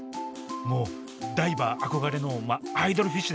もうダイバー憧れのアイドルフィッシュですね。